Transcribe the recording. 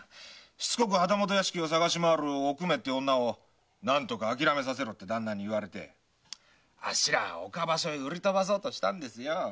しつこく旗本屋敷を探し回るおくめって女を旦那に何とかあきらめさせろって言われてあっしら岡場所へ売りとばそうとしたんですよ。